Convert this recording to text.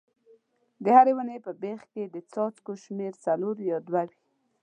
د هرې ونې په بیخ کې د څاڅکو شمېر څلور یا دوه وي.